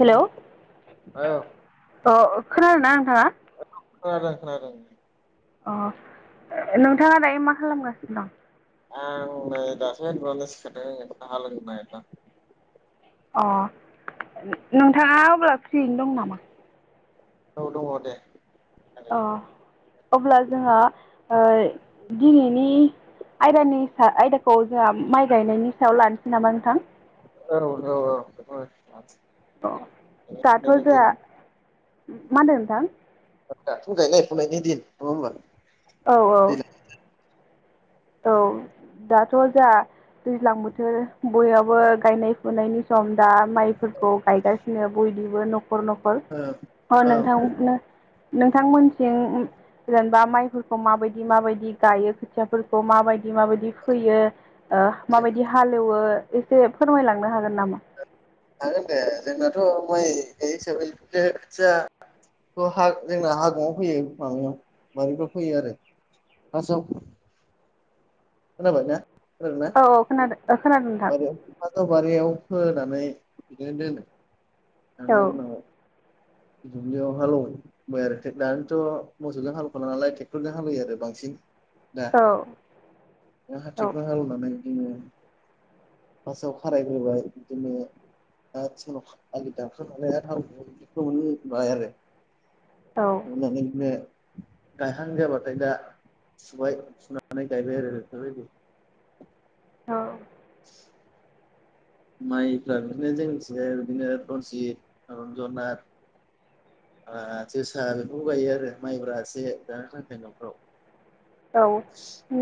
Hello औ अ खोनादोना नोंथाङा खोनादों खोनादों अह नोंथाङा दायो मा खालामगासिनो दं आं नै दासो एडभान्तेज सिखारदों आङो साहा लोंनो नागिरदो आं अ नोंथाङा अब्ला फ्रियैनो दं नामा औ दङ दे अह अब्ला जोंहा ओ दिनैनि आयदानि सा आयदाखौ जोंङा माइ गायनायनि सायाव लानोसै नामा नोंथां औ औ औ अ दाथ' जोहा दिन मा होन्दो नोंथां दाथ' गायनाय फुनायनि दिन नङा होमबा औ औ दैलां औ दाथ' जा दैज्लां बोथोर बययावबो गायनाय फुनायनि सम दा माइफोर खौ गायगासिनो बयनिबो नख खर नखर अ औ नोंथां नो नोंथांमोनसिं जेनेबा माइफोरखौ माबायदि माबायदि गायो खोथियाफोरखौ माबायदि माबायदि फोयो ओ माबायदि हालेवो एसे फोरमायलांनो हागोन नामा? हागोन दे जोंनाथ' माइ हिसाबैे खोथिया थ हा जोंना हागुङाआव फैयो माबायाव बारिफोराव फैयो आरो फासाव खोनाबाय ना खोनादों ना औ खोनादों ओ खोनादों नोंथां [unintelligible] बारियाव फोनानै बिदिनो दोनो औ दानि उनाव दुब्लिआव हालेवबाय आरो दानिथ' मोसौजों हालेवखाला नालाय ट्रेक्टरजों हालेवयो आरो बांसिन दा औ दा औ [unintelligible] हालेवनानै [inaudible] फासआव खारायग्रोबाय बिदिनो दा आलि दालाय [unintelligible] फोमोनबाय आरो फोमोननानै बिदिनो गायहां जाबाथाय दा सुबाय सुनानै गायबाय आरो बेफोरबायदि [inaudible] औ [inaudible] माइफ्रा बिदिनो जोंनिथिंजाय बिदिनो रन्जित रन्जना ओ जोसा बेफोरखौ गायो आरो माइब्रा एसे जानो थाखाय न'फ्राव औ उम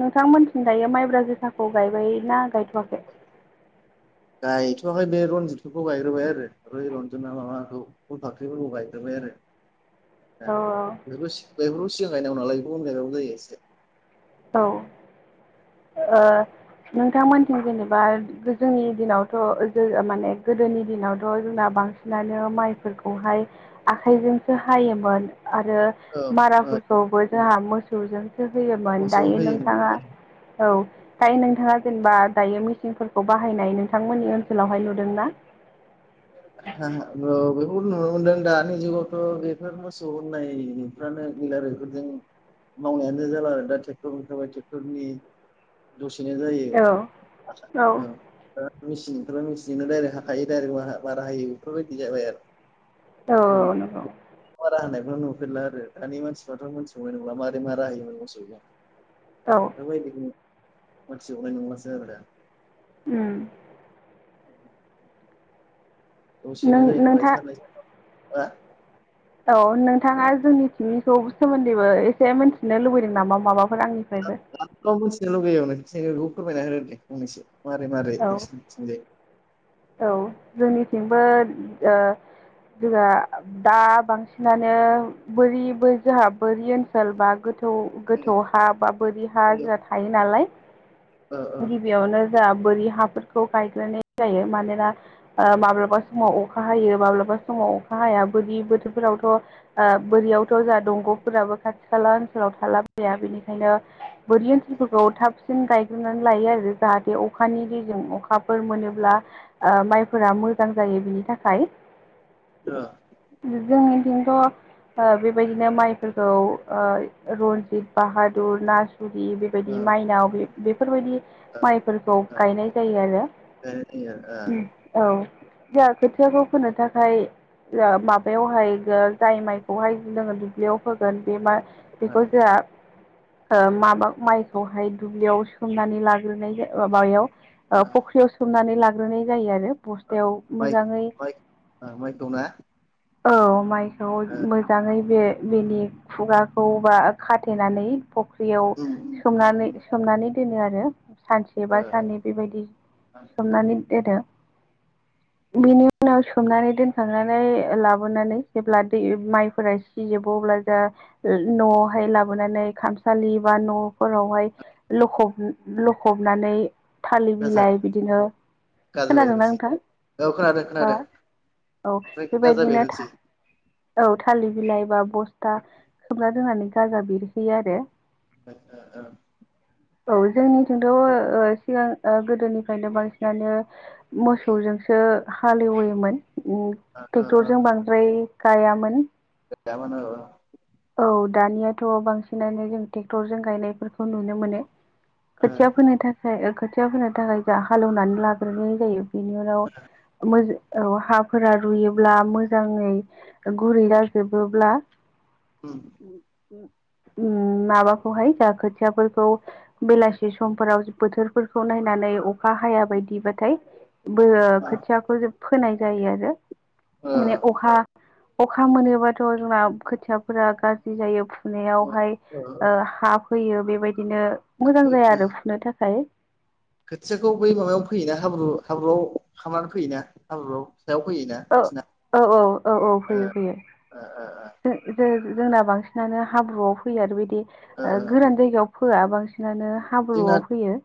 नों थांमोननिथिं दायो माइब्रा जोसााखौ गायबाय ना गायथ'वाखै? गायथ'आखै बे रनजितखौ गायग्रोबाय आरो मै रन्जिता माबाखौ फल फाख्रिफोरखौ गायग्रोबाय। आरो औ बेफोरखौ सि-बेफोरखौ सिगां गायनांगौ नालाय बेखौ उन गायबाबो जायो एसे औ ओ नोंथांमोनथिं जेनेबा जोंनि दिनावथ' जो माने गोदोनि दिनावथ' जोंना बांसिनानो माइफोरखौहाय आखाइजोंसो हायोमोन आरो औ औ माराफोरखौबो जोंहा मोसौजोंसो होयो मोसौ दायो होयोमोन नोंथाङा औ दायो नोंथाङा जेनेबा दायो मेसिनफोरखौ बाहायनाय नोंथांमोननि ओनसोलावहाय नुदोंना [inaudible] हो-हो ओ बे बेखौ नुनो मोनदों दानि जुगावथ' बेफोर मोसौ होननायफ्रानो गैला आरो बेफोरजों मावनायानो जाला आरो दा ट्रेक्टरखाय ट्रेक्टरनि दसेनो जायो औ औ ओ मेसिन ओंखारबाय मेसिनजोंनो डायरेक्ट हाखायो डाइरेक्ट बारा हायो बेफोरबायदि जाबाय आरो। औ नंगौ। बे नुफेरला आरो दानि मानसिफ्राथ' मोनथिनाय नंला मारै होयो मोसौजों। औ दाबायदि मोनथिनाय नंलासो आरो दा उम। दसेनो नों जायो नालाय नोंथां साननै सानथाम आ औ नोंथाङा जोंनि थिंनिखौ सोमोन्दैबो एसे मिन्थिनो लुबैदों नामा माबा फोर आंनिफ्रायबो? लुुबैयो नोंसिनिखौ फोरमायना होदो दे फंनैसो। मारै मारै नोंसिनिथिंजाय औ-औ जोंनिथिंबो ओ जोंहा दा बांसिनानो बोरि बो जोंहा बोरि ओनसोल बा गोथौ गोथौ ओ गोथौ हा बा बोरि हा ओ जोंहा थायो नालाय ओ ओ गिबियावनो जा बोरि हाफोरखौ गायग्रोनाय जायो मानोना ओ माब्लाबा समाव अखा हायो माब्लाबा समाव अखा हाया बोरि बोथोरफोरावथ' ओ बोरियावथ' जा दंग'फोराबो खाथि खाला ओनसोलाव था ला बाया बेनिखायनो बोरि ओनसोलफोरखौ थाबसिन गायग्रोनानै लायो आरो जाहाथे अखानि दैजों अखाफोर मोनोब्ला माइफोरा मोजां जायो बिनि थाखाय [inaudible] ओ जोंनिथिंथ' बेबायदिनो माइफोरखौ ओ रन्जित, बाहादुर, नासुर जुदि बेबायदि माइनाव बे बेफोरबायदि माइफोरखौ गायनाय जायो आरो। जायो ओ औ जा खोथियाखौ फोनो थाखाय माबायावहाय जाय माइखौहाय जोङो दुब्लियाव फोगोन बे माइ ओ बेखौ जोंहा ओ माबा माइखौहाय दुब्लियाव सोमनानै लाग्रोनाय माबायाव फख्रियाव सोमनानै लाग्रोनाय जायो आरो। बस्थायाव माइ मोजाङै माइ ओ माइखौ ना औ माइखौ ओ मोजाङै बे बेनि खुगाखौ बा खाथेनानै फख्रियाव उम उम सोमनानै उम सोमनानै दोनो आरो सानसे ओ बा साननै बेबायदि ओ सोमनानै दोनो। बिनि उनाव सोमनानै दोनखांनानै लाबोनानै जेब्ला दै माइफोरा सिजोबो अब्ला न'आवहाय लाबोनानै खामसालि बा न' फोरावहाय लखब लखबनानै थालिर गाजा बिलाइ बिदिनो, गाजा खोनादोंना बेरनोसै नोंथां औ खोनादों हो? खोनादों औ ओमफ्राय गाजा बेबायदिनो बेरनोसै औ थालिर बिलाइ बा बस्था खोमना दोननानै गाजा बेरहोयो आरो। [inaudible] औ जोंनिथिंथ' सिगां गोदोनिफ्रायनो बांसिनानो मोसौ जोंसो हाल एवोमोन ओ ओ ओ ट्रेक्टरजों बांद्राय गायामोन। [unintelligible] औ दानियाथ' बांसिनानो जों ट्रेक्टरजों गायनायफोरखौ नुनो मोनो। खोथिया फोनो थाखाय खोथिया फोनो थाखाय जों हाल एवनानै लाग्रोनाय जायो। बेनि उनाव [unintelligible] औ हाफोरा रुयोब्ला मोजाङै गुरै जाजोबोब्ला [inaudible] उम माबाखौहाय जा खोथियाफोरखौ बेलासि समफोराव बोथोरफोरखौ नाय नानै अखा हाया बायदिबाथाय बे खोथियाखौ फोनाय जायो आरो। ओ माने अखा अखा मोनोबाथ' जोंना खोथियाफोरा गाज्रि जायो फुनायावहाय ओ हा फैयो बेबायदिनो मोजां जाया आरो फुनो थाखाय। खोथियाखौ बै माबायाव फैयोना हाब्रु हाब्रुआव खालामनानै फैयोना हाब्रुआव सायाव फैयोना औ बिसिना औ औ औ औ ओ फैयो फैयो ओ [unintelligible] जोंना बांसिनानो हाब्रुआव ओ फैयो आरो। बिदि ओ ओ ओ गोरान जायगायाव फोआ बांसिनानो। जोंना हाब्रुआव फैयो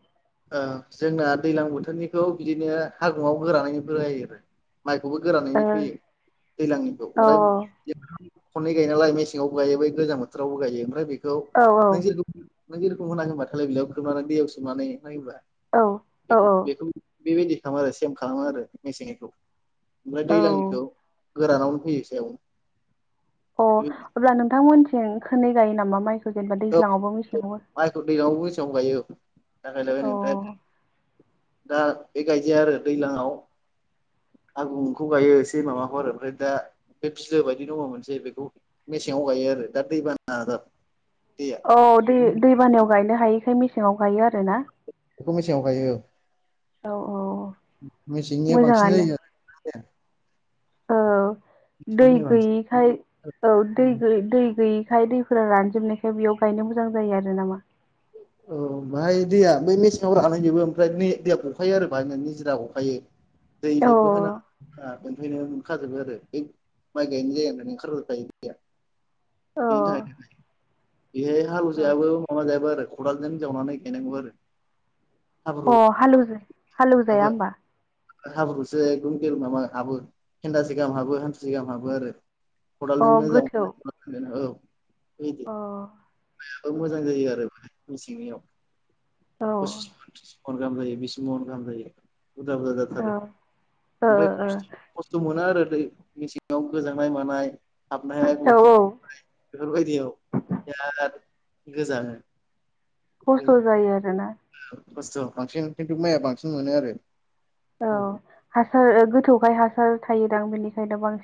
ओ जोंना दैज्लां बोथोरनि औ बिदिनो [unintelligible] गोरानै फोना होयोबो माइखौबो ओ गोरानैनो फैयो दैज्लांनिखौ ओमफ्राय औ खनै गायोनालाय मेसेङावबो गायो बै गोजां बोथोरावबो गायो। ओमफ्राय बेखौ औ नों औ [unintelligible] नों [inaudible] दैयाव सोमनानै माइ होबा औ बेखौ औ बेखौ बेबायदि खालामो आरो सेम खालामो आरो मेसेंनिखौ। ओमफ्राय औ दैज्लांनिखौ गोरानावनो फैयोसै अ अब्ला नोंथांमोनथिं खोनै गायो नामा माइ जेनेबा औ दैज्लाङावबो मेसेंगावबो? माइखौ दैलांआवबो मेसेङाव गायो [inaudible] दा बेबायदि आरो दैज्लाङाव [inaudible] आगुंखौ गायो एसे माबाफोर ओमफ्राय दा बे बिलो बायदि दङ मोनसेै बेखौ मेसेंआव गायो आरो दा दै बाना औ दै दैबानायायाव गायनो हायिखाय मेसेंआव गायो आरोना बेखौ मेसेंयाव गायो औ औ मेसेंनिया बांसिन मोजाङानो जायो आरो ना जाया औ दै गैयिखाय औ दै बांसिन दै गैयि बेहाय दैफोरा रानजोबनायखाय बेयाव गायनो मोजां जायो आरो नामा औ बाहाय दैया बे मेसेङाव रानाहै जोबो ओमफ्राय दैया गरखायो आरो बाहायनानै निजिरा गखायो। दै अ लेबो होना [unintelligible] मोनफैनो मोनखाजोबो आरो बे माइ गायनाय जागानिफ्रनो ओंखारबोखायो दैया। अ बेनि थाखाय बेहाय हालौजायाबो माबा जायाबो आरो खदालजों जावनानै गायनांगौबो आरो हाब्रु अ हालै- हालेवजाया ओहो होमबा हाब्रुसो एखदम गेल माबा हाबो फेन्दासे गाहाम हाबो हान्थिुसे गाहाम हाबो आरो अ खदालजोंनो गोथौ जावनानै औ बिदि अ मोजां जायो आरो मेसेंनियाव औ ओ पसिस मन थ्रिस मन गाहाम जायो बिस मन गाहाम जायो बुरजा बुरजा ओ जाथारो ओमफ्राय ओ खस्थ'मोना आरो दै मेसेङाव गोजांनाय मानाय हाबनो हाया औ एखनबा औ बेफोरबायदियाव बिराद गोजाङो खस्थ' गोजां जायो आरोना। खस्थ' बांसिन खिन्थु माइआ बांसिन मोनो आरो। औ हासार गोथौखाय हासार थायोदां बेनिखाय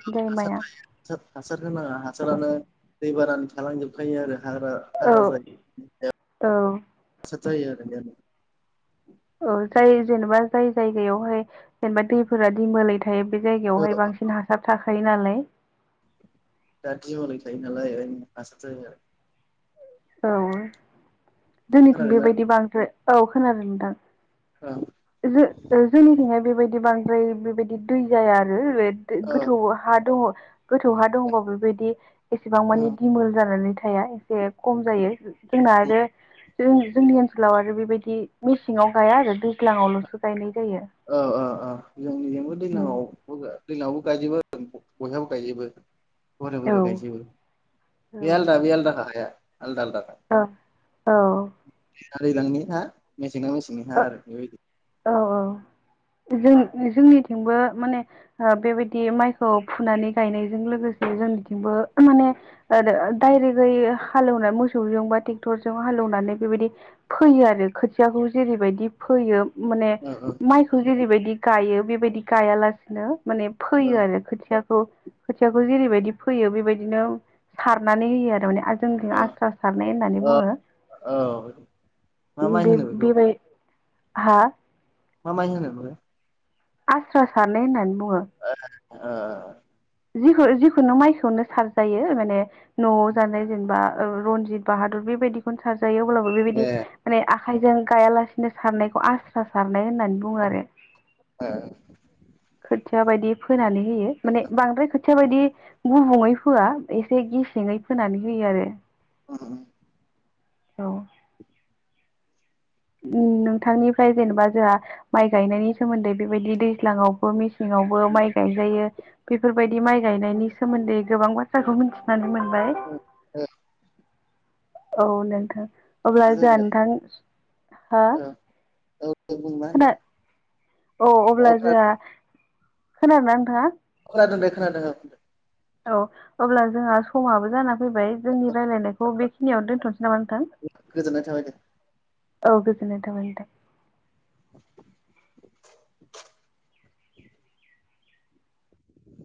औ हासार थायो हासार हासार होनाङा हासारानो दै बारानि थालांजोबखायो आरो। हाग्रा औ हाग्रा जायो औ [unintelligible] जायो आरो [unintelligible] औ जाय जेनेबा जाय जायगायावहाय जेनेबा दैफोरा दिमोलाय बे औ जायगायावहाय बांसिन हासार थाखायो नालाय दा दिमोलै थायो नालाय ए हायनो हासार जायो आरो। औ जोंथिं खोनादोंना बेबायदि बांद्राय औ खोनादों नोंथां। औ जो जोंनिथिंहाय बेबायदि बांद्राय बेबायदि दै जाया आरो रेद औ गोथौ हा दङ गोथौ हा दङबा बेबायदि एसेबां औ मानि दिमोल जानानै फिथाइया एसे खम जायो जोंना आरो जों जोंनि ओनसोलाव आरो बेबायदि मेसेङाव गाया आरो दैज्लांआवल'सो गायनाय जायो। औ औ औ जोंनिजोंबो उम दैलांआव दैलावबो गाइजोबो बयहाबो गायजोबो गरे औ गरे गायजोबो औ बे आलदा बे आलदाखा हाया आलदा आलदाख औ दैज्लां ना दैज्लां निहा मेसेंआ मेसेंनि हा औ आरो बेबायदि औ औ जों जोंनिथिंबो माने बेबायदि माइखौ फुनानै गायनायजों लोगोसे जोंनिथिबो माने डायरेक -डायरेकयै हालेवनाय मोसौजों बा ट्रेक्टरजों हालेवनानै बेबायदि फैयो आरो खोथियाखौ जेरैबायदि फोयो माने औ औ माइखौ जेरैबायदि गायो बेबायदि गायालासिनो माने औ फैयो आरो खोथियाखौ खोथियाखौ जेरैबायदि फोयो बेबायदि बिदिनो सारनानै होयो आरो माने जोंनिथिं औ आस्रा सारनाय होननानै ओ बुङो औ मा माइ बे होनो बेखौ बेबाय हा मा माइ होनोमोनलाय आस्रा सारनाय होननानै बुङो। ओओ जिखुनो जिखुनो माइखौनो सारजायो माने न'आव जानाय जेनेबा रनजित बाहादुर बेबायदिखौनो सारजायो अब्लाबो ए बेबायदि माने आखाइजों गायालासिनो सारनायखौ आस्रा सारनाय होननानै बुङो आरो ए। खोथिया बायदि फोनानै होयो माने बांद्राय खोथिया बायदि गुबुङै फोआ एसे गेसेङै फोनानै होयो आरो उम। औ। उम नोंथांनिफ्राय जेनेबा जोंहा माइ गायनायनि सोमोन्दै बेबायदि दैज्लाङावबो मेसे सेङावबो माइ गायजायो बेफोरबायदि माइ गायनायनि सोमोन्दै गोबां बाथ्राखौ मिन्थिनानै मोन [unintelligible] औ नोंथां। अब्ला जोहा जोङो नोंथां हा बुं बुं मा खोना होनदों औ अब्ला जोंहा खोनादों ना नोंथाङा खोनादे खोनादों ओ औ अब्ला जोंहा समाबो जाना फैबाय जोंनि रायलायनायखौ बेखिनियावनो दोनथ'सै। गोजोननाय थाबाय दे। औ गोजोन थाबाय नोंथां।